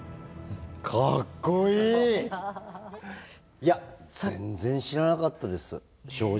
いや全然知らなかったです正直。